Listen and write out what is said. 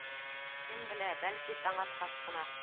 Кем белә, бәлки, таң атҡас ҡына.